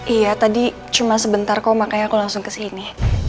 iya tadi cuma sementar kok makanya aku langsung kesini